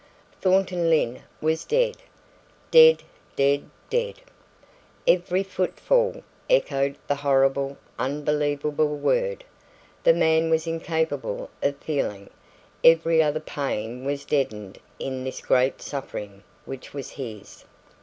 Thornton Lyne was dead! Dead, dead, dead. Every footfall echoed the horrible, unbelievable word. The man was incapable of feeling every other pain was deadened in this great suffering which was his.